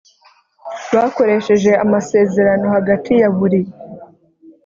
bakoresheje amasezerano hagati ya buri